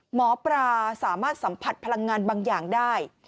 หมอปลาสามารถสัมผัสพลังงานบางอย่างได้